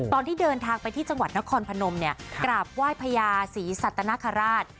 ตอนที่เดินทางไปที่จังหวัดนครพนมเนี่ยกราบไหว้พญาศรีสัตนคราช